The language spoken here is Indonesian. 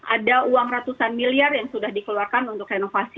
ada uang ratusan miliar yang sudah dikeluarkan untuk renovasi